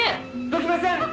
どきません！